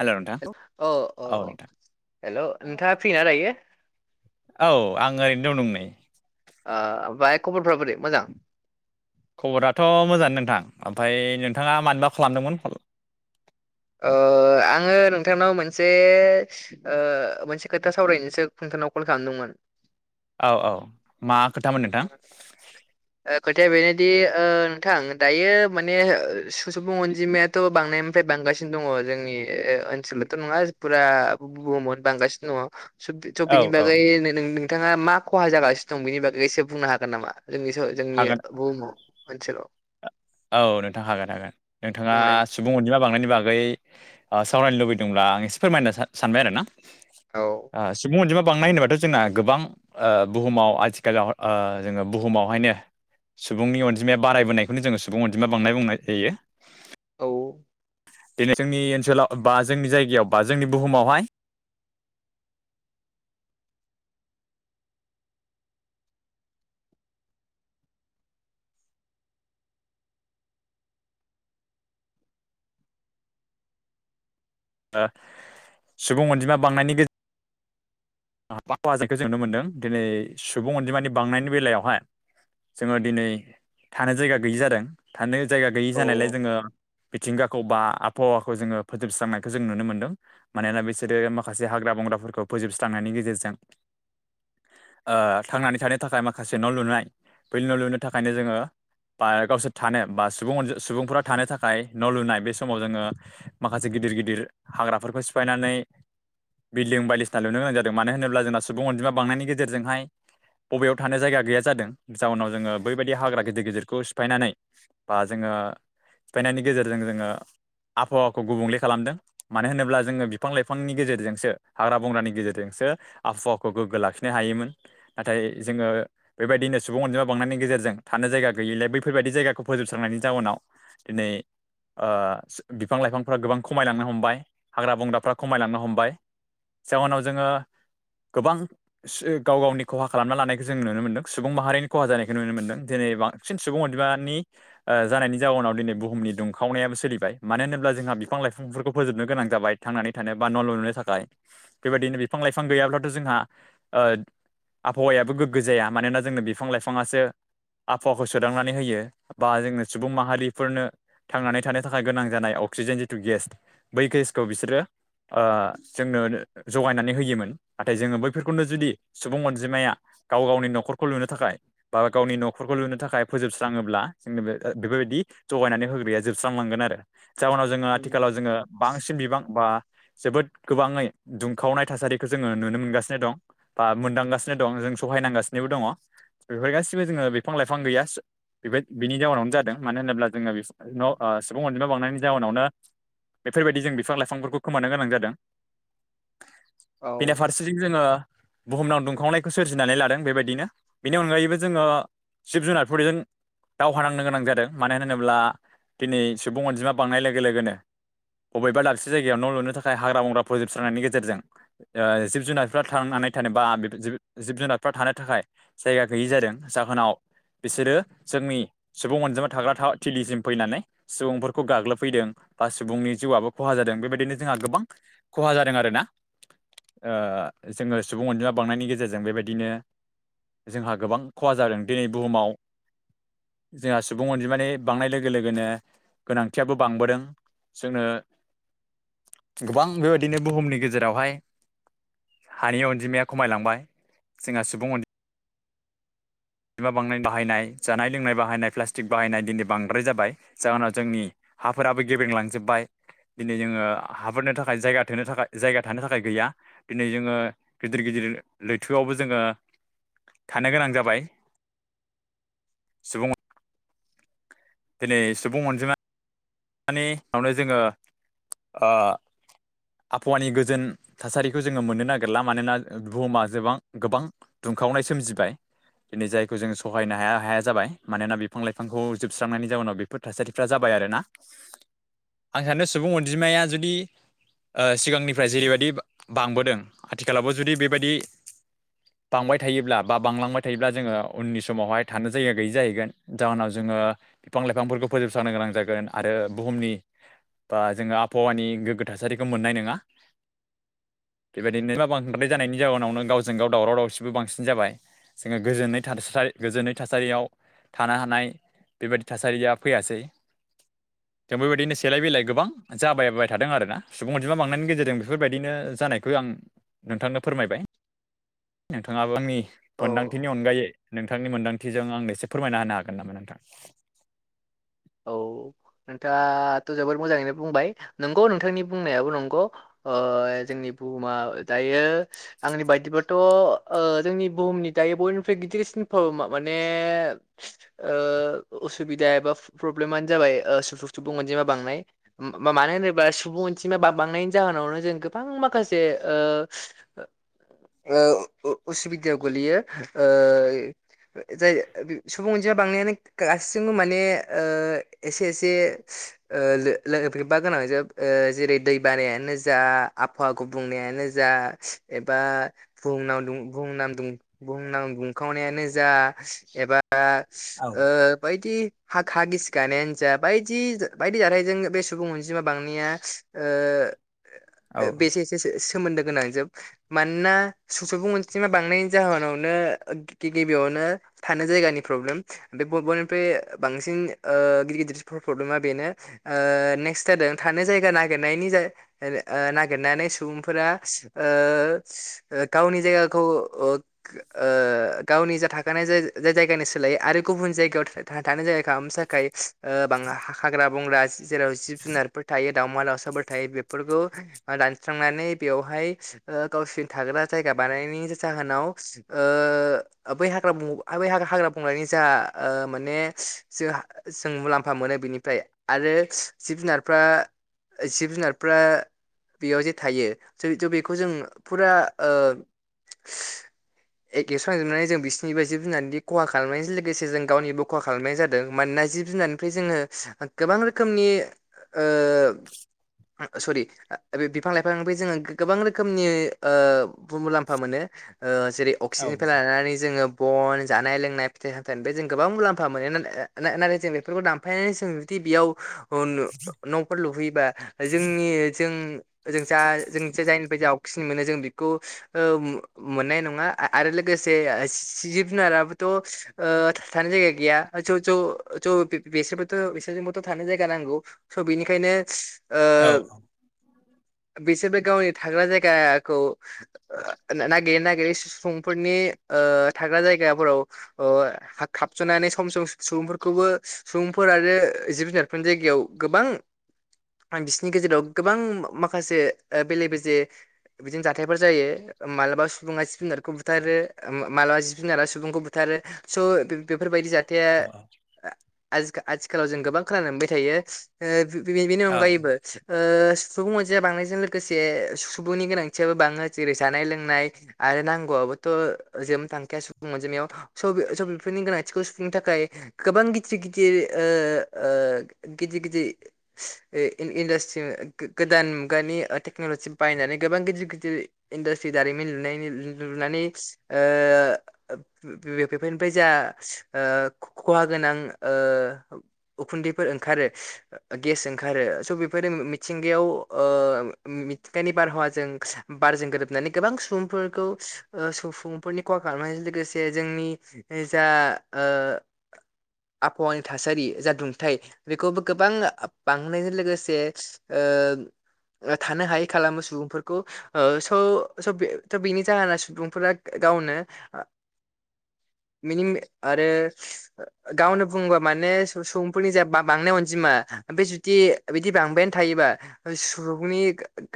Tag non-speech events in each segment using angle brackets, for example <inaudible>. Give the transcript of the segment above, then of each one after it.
हेल' नोंथां औ औ हेल' नोंथाङा फ्रिना लायो। औ आं ओरैनो दं नै ओ ओमफ्राय खबरफ्रा बोरै मोजां खबराथ' मोजां नोंथां ओमफ्राय नोंथाङा मानबा खालामदोंमोन। ओ आङो नोंथांनाव मोनसे मोनसे खोथा सावरायनोसो नोंथांनाव कल खालामदोंमोन औ औ मा खोथामोन नोंथां <unintelligible> खोथाया बेनोदि नोंथां दायो माने सुबुं अनजिमायाथ' बांनायनिफ्राय बां बांगासिनो दङ जोंनि ओनसोलावथ' नङा फुरा बुहुमावनो बांगासिनो दङ स' औ बिनि औ बागै नोंथाङा मा खहा जागासिनो दं बेनि बागै एसे बुंनो हागोन नामा जोंनि जोंनि हागोन बुहुमाव ओनसोलाव औ नोंथाङ हागोन हागोन नोंथाङा बुंनाय सुबुं अनजिमा बांनायनि बागै सावरायनो लुबैदोंब्ला आं एसे फोरमायनो सान सानबाय आरो ना औ सुबुं अनजिमा बांनाय होनोबाथ' जोंना गोबां बुहुमाव आथिखालाव जोङो बुहुमावहायनो सुबुंनि अनजिमाया बारायबोनायखौनो जोङो सुबुं अनजिमाया बांनाय बुंनाय जायो। औ दिनै जोंनि ओनसोलाव बा जोंनि जायगायाव बा जोंनि बुहुमावहाय <unintelligible> ओ सुबुं अनजिमा बांनायनि गेजेर <unintelligible> जों ननो मोन्दों दिनै सुबुं अनजिमानि बांनायनि बेलायावहाय जोङो दिनै थानाय जायगा गैयि जादों थानो जायगा गैयि जानायलाय औ जोङो मिथिंगा खौलबा आबहावाखौ जोङो फोजोबस्रांनायखौ जों नुनो मोनदों। मानोना बिसोरो माखासे हाग्रा बंग्राफोरखौ फोजोब स्रांनायनि गेजेरजों ओ थांनानै थानो थाखाय माखासे न' लुनाय बै न' लुनो थाखायनो जोङो बा गावसोर थानो बा सुबुं अन बा सुबुंफोरा थानो थाखाय न' लुनाय बे समाव जोङो माखासे गिदिर गिदिर हाग्राफोरखौ सिफायनानै बिल्डं बायदिसि ना लुनो गोनां जादों मानो होनोब्ला जोंना सुबुं अनजिमा बांनायनि गेजेरजोंहाय बबेयाव थानो जायगा गैया जादों। जााहउनाव जोङो बैबायदि हाग्रा गिदिर गिदिरखौ सिफायनानै बा जोङो ओ सिफायनायनि गेजेरजों जोङो आबहावाखौ गुबुंले खालामदों। मानो होनोब्ला जोङो बिफां लाइफांनि गेजेरजोंसो हाग्रा बंग्रानि गेजेरजोंसो आबहावाखौ गोग्गो लाखिनो हायोमोन नाथाय जोङो बेबायदिनो सुबुं अनजिमा बां नायनि गेजेरजों थानो जाया गैयैलाय बैफोरबायायदि जायगाखौ फोजोबस्रांनायनि जाउनाव दिनै ओ बिफां लाइफांफोरा गोबां खमायलांनो हमबाय हाग्रा बंग्राफ्रा खमायलांनो हमबाय जाउनाव जोङो गोबां गाव गावनि खहा खालामना लानायखौ जों नुनो मोन्दों सुबुं माहारिनि खहा जानायखौ नुनो मोनदों। जेरै बांसिन सुबुं अनमानि जानायनि जाउनाव दिनै बुहुमनि दुंखावनायाबो सोलिबाय मानो होनोब्ला जों जोंहा बिफां लाइफांफोरखौ फोजोबनो गोनां जाबाय थांनानै थानो बा न' ल' नुनो थाखाय बेबायदिनो बिफां लाइफां गैयाब्लाथ' जोंहा ओ आबहावायाबो गोग्गो जाया मानोना जोंनो बिफां लाइफाङासो आबहावाखौ सोदांनानै होयो बा जोंनो सुबुं माहारिफोरनो थांनानै थानो थाखाय गोनां जानाय अक्सिजेन जिथु गेस बै गेसखौ बिसोरो आ जोंनो जगायनानै होयोमोन नाथाय जोङो बैफोरखौनो जुदि सुबुं अनजिमाया गाव गावनि न'खरखौ लुनो थाखाय बा गावनि न'खरखौ लुनो थाखाय फोजोबस्राङोब्ला जों बेफोरबायदि जगायनानै होग्राया जोबस्रां लांगोन आरो। जाउनाव जोङो उम, आथिखालाव जोङो बांसिन बिबां बा जोबोद गोबाङै दुंखावनाय थासारिखौ जोङो नुनो मोनगासिनो दं, बा मोनदांगासिनो दं जों सहायनांगासिनोबो दङ बेफोर गासिबो जोङो बिफां लाइफां गैया बेबाय बिनि जाउनावनो जादों मानो होनोब्ला जोङो न' सुबुं अनजिमा बांनायनि जाउनावनो बेफोरबायदि जों बिफां लाइफांफोरखौ खोमानो गोनां जादों। औ बेरा फारसेथिं जोङो बुहुमनां दुंखांनायखौ सोरजिनानै लादों बेबायदिनो बेनि अनगायैबो जोङो जिब जुनारफोरजों दावहा नांनो गोनां जादों। मानो होनोब्ला दिनै सुबुं अनजिमा बांनाय लोगो लोगोनो बबेबा दाबसे जायगायाव न' लुनो थाखाया हाग्रा बंग्रा फोजोब स्रांनायनि गेजेरजों ओ जिब जुनारफ्रा थांनानै थानो बा जिब जुनारफ्रा थानो थाखाय जायगा गैयि जादों जाहोनाव बिसोरो जोंनि सुबुं अनजिमा थाग्रा थिलिसिम फैनानै सुबुंफोरखौ गाग्लोबफैदों बा सुबुंनि जिउआबो खहा जादों बेबायदिनो जोंहा गोबां खहा जादों आरोना ओ जोङो सुबुं अनजिमा बांनायनि गेजेरजों बेबायदिनो जोंहा गोबां खहा जादों दिनै बुहुमाव जोंहा सुबुं अनजिमानि बांनाय लोगो लोगोनो गोनांथियाबो बांबोदों जोंनो गोबां बेबायदिनो बुहुमनि गेजेरावहाय हानि अनजिमाया खमायलांबाय जोंहा सुबुं अनजि मा बांनाय बाहायनाय जानाय लोंनाय बाहायनाय प्लास्टिक बाहायनाय दिनै बांद्राय जाबाय जाहोनाव जोंनि हाफोराबो गेब्रें लांजोबबाय दिनै जोङो हाफोरनो थाखाय जायगा थोनो थाखाय जायगा थानो थाखाय गैया दिनै जोङो गिदिर गिदिर लैथोआवबो जोङो थानो गोनां जाबाय सुबुं अ दिनै सुबुं अनजिमानि <inaudible> जोङो ओ आबहावानि गोजोन थासारिखौ जोङो मोननो नागिरला मानोना बुहुमाबा जोबां गोबां दुंखावनाय सोमजिबाय दिनै जायखौ जों सहायनो हाया हाया जाबाय मानोना बिफां लाइफांखौ जोबस्रांनायनि जाउनाव बेफोर थासारिफ्रा जाबाय आरो ना आं सानो सुबुं अनजिमाया जुदि ओ सिगांनिफ्राय जेरैबायदि बांबोदों आथिखालावबो जुदि बेबायदि बांबाय थायोब्ला बा बांलांबाय थायोब्ला जोङो उननि समावहाय थानो जायगा गैयि जाहैगोन, जाहोनाव जोङो ओबिफां लाइफांफोरखौ फोजोबस्रांनो गोनां जागोन आरो बुहुमनि बा जोङो आबहावानि गोग्गो थासारिखौ मोननाय नोङा <inaudible> बेबादिनो मा बांद्राय जानायनि जाउनावनो गावजों गाव दावराव दावसिबो बांसिन जाबाय जोङो गोजोनै थासारि थार गोजोनै थासारियाव थानो हानाय बेबायदि थासारिया फैयासै जों बेबायदिनो सेलाय बिलाय गोबां जाबायबाय थादों आरोना सुबुं अनजिमा बांनायनि गेजेरजों बेफोरबायदिनो जानायखौ आं नोंथांनो फोरमायबाय नोंथाङाबो आंनि औ मोन्दांथिनि अनगायै नोंथांनि मोन्दांथिजों आंनो एसे फोरमायना होनो हागोन नामा नोंथां? औ नोंथाङाथ' जोबोद मोजाङैनो बुंबाय नंगौ नोंथांनि बुंनायाबो नंगौ ओ जोंनि बुहुमा दायो आंनि बायदिब्लाथ' ओ जोंनि बुहुमनि दायो बयनिफ्राय गिदिरसिनफ्राव माने ओ असुबिदा एबा प्रब्लेमानो जाबाय सुबुं अनजिमा बांनाय मा मानो होनोबा सुबुं अनजिमा बा बांनायनि जाहो नावनो जों गोबां माखासे ओ उसुबिदायाव गोलैयो ओ जाय सुबुं अनजिमा बांनायानो गासिबो माने ओ एसे एसे ओ लोगोफोरनिबा गोनां जोब जेरै दै बानायानो जा आबहावा गुबुंनायानो जा एबा बुहुमनां दुंखावनायानो जा एबा आं औ ओ बायदि हा हा गिसिगानायानो जा बायदि बायदि जाथायजों बे सुबुं अनजिमा बांनाया ओ औ बेसे एसेसो सोमोन्दो गोनां जोब मानोना सुबुं अनजिमा बांनायनि जाहोनावनो गिबियावनो था नों जायगानि प्रब्लेम बबेनिफ्राय बांसिन ओ गिदिर गिदिर प्रब्लेमा बेनो नेक्स्ट जादों थानो जायगा नागिरनायनि नागिरनानै सुबुंफोरा ओ गावनि जायगाखौ ओ गावनि जा थाख जायगानि सोलायो आरो गुबुन जायगायाव थानाय जायगा खालामानो थाखाय ओ बां हाग्रा बंग्रा जेराव जिब जुनारफोर थायो दावमा-दाउसाफोर थायो बेफोरखौ दानस्रांनानै बेवहाय गावसोरनि थाग्रा जायगा बानायनायनि जाहोनाव ओ बै हाग्रा हाग्रा बंग्रानि जा ओ माने जों जों मुलाम्फा मोनो बेनिफ्राय आरो जिब जुनारफ्रा जिब जुनारफ्रा बेयाव जे थायो' बिसोर थ' बेखौ जों फुरा <inaudible> एखेस' जोबनानै जों बिसिोरनि बायदि बुनानैदि खहा खालामनायजों लोगोसे जों गावनिबो खहा खालामनाय जादों मानोना जिब जुनारनिफ्राय जोङो गोबां रोखोमनि ओ सरि बे बिफां लाइफां जोङो गोबां रोखोमनि ओ मुलाम्फा मोनो ओ जेरै औ अक्सिजेननिफ्राय लानानै जोङो बन, जानाय-लोंनाय, फिथाइ सामथाइनि जों गोबां मुलाम्फ फा मोनो नाथाय जों बेफोरखौ दानफायनानै जों जुदि बेयाव बे नु न'फोर लुफैयोबा जोंनि जों जों जा जों जायनिफ्राय जावखिनि मोनो जों बेखौ मोननाय नङा आरो लोगोसे से जिब जुनाराबोथ' थानाय जायगा गैया ज'ज' बिसोरनोबोथ' बिसोरनोबोथ' थानो जायगा नांगौ स' बिनिखायनो औ बिसोरबो गावनि थाग्रा जायगाखौ नागिरै नागिरै सुबुंफोरनि ओ थाग्रा जायगाफोराव ओ हाख खाब सनानै सम सम सुबुंफोरखौबो सुबुंफोरा जे जिब जुनारफोरनि जायगायाव गोबां आं बिसिनि गेजेराव गोबां माखासे ओ बेले बेजे बिदिनो जाथायफोर जायो मालाबा सुबुङा जिब जुनारखौ बुथारो मालाबा जिब जुनारा सुबुंखौ बुथारो। जे स--बिब फोरबायदि जाथाया आजिखाल आथिखालाव जों गोबां खोनानो मोनबाय थायो। बि बिनि औ अनगायैबो ओ। सुबुं अनजिमाया बांनायजों लोगोसे सुबुंनि गोनांथियाबो बाङो जेरै बाबोथ' जोम थांखाया सुबुं अनजिमाजयाव स' बिफ स' बिफोरनि गनां थिखौ सुफुंनो थाखाय गोबां गिदिर गिदिर ओ ओ गिदिर गिदिर। इ इनडास्ट्रि गोदान मुगानि ओ टेक्न'लजि बाहायनानै गोबां गिदिर गिदिर इनडास्ट्रि। दारिमिन लुनायनि लु लुनानै ओ बेफोफोरनिफ्राय‌ जा। ओ खहा गोनां ओ। उखुन्दैफोर ओंखारो गेस ओंखारो स' बेफोरो मिथिंगायाव ओ। मिथिंगानि बारहावाजों बारजों गोरोबनानै गोबां सुबुंफोरखौ ओ सुबुंफोरनि खहा खालामो। जों लोगोसे जोंनि जा ओ। आबहावानि थासारि जा दुंथाइ बेखौबो गोबां बांहोनायजों लोगोसे। ओ। ओ थानो हायै खालामो सुबुंफोरखौ ओ स' स बेथ' बेनि जाहोना सुबुंफोरा। गावनो आ <inaudible> मिनिं। आरो गावनो बुङोबा माने सुबुंफोरनि जा बांनाय अनजिमा बे जुदि। दि बिदि बांबायानोथायोबा सुबुंनि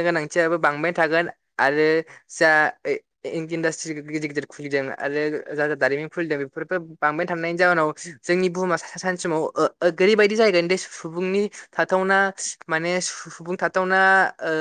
गोनांथियाबो बांबाय थागोन आरो। जा इक इन्डास्ट्रि गिदिर गिदिर खुलिदों आरो जा दारिमिन खुलिदों बेफोरबो। बांबाय थांनायनि जाहोनाव जोंनि बुहुमा सानसे समाव ओरैबायदि जाहैगोनदे सुबुंनि थाथाव। नौना माने सुबुं थाथावना ओ।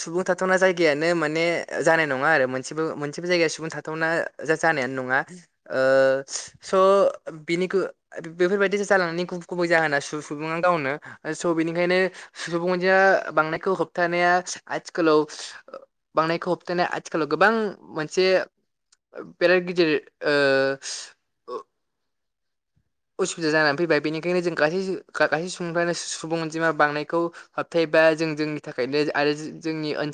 सुबुं थाथावना जायगायानो माने जानाय नङा आरो मोनसेबो मोनसेबो जायगाया सुबुं थाथावना जा जानायानो नङा। ज <inaudible> ओ स' बिनि बेफोरबायदिसो जालांनायनि गुब गुबै जाहोना सुबुङा गावनो। स' बेनिखायनो सुबुं अनजिमा बांनायखौ होबथानाया आथिखालाव। बांनायखौ होबथानाया आथिखालाव गोबां मोनसे बेराद गिदिर। ओ। असुबिदा जानानै फैबाय बेनिखायनो जों गासै सुब गासै सुबुंफ्रानो सुबुं अनजिमा बांनायखौ हाबथाय। दा जों जोंनि थाखायनो आरो जोंनि ओनसो।